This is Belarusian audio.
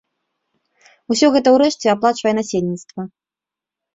Усё гэта, урэшце, аплачвае насельніцтва.